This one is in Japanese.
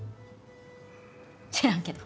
知らんけど。